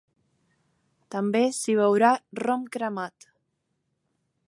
També s’hi beurà rom cremat.